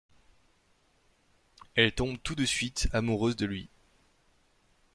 Elle tombe tout de suite amoureuse de lui.